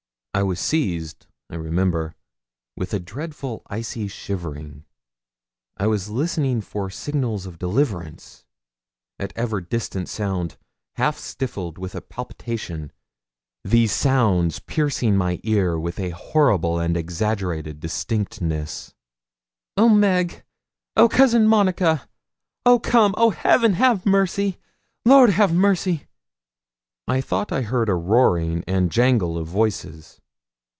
I was seized, I remember, with a dreadful icy shivering. I was listening for signals of deliverance. At every distant sound, half stifled with a palpitation, these sounds piercing my ear with a horrible and exaggerated distinctness 'Oh Meg! Oh cousin Monica! Oh come! Oh Heaven, have mercy! Lord, have mercy!' I thought I heard a roaring and jangle of voices.